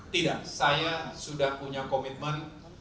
tidak saya sudah punya komitmen